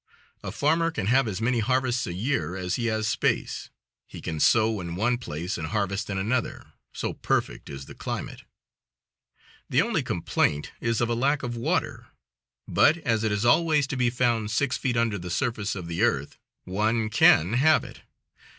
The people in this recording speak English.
A farmer can have as many harvests a year as he has space. He can sow in one place and harvest in another, so perfect is the climate. The only complaint is of the lack of water, but as it is always to be found six feet under the surface of the earth one can have it.